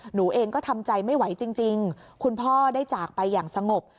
หนูเองก็ทำใจไม่ไหวจริงคุณพ่อได้จากไปอย่างสงบ